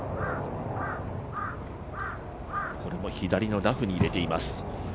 これも左のラフに入れています。